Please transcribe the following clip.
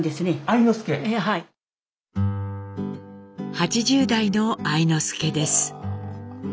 ８０代の愛之助です。